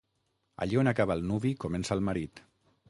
Allí on acaba el nuvi comença el marit.